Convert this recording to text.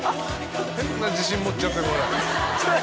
変な自信持っちゃってるこれ。